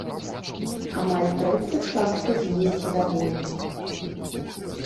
Амаль трэцяя частка з іх задаволена.